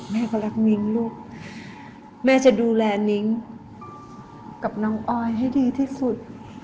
แม่ก็รักนิ้งลูกแม่จะดูแลนิ้งกับน้องออยให้ดีที่สุด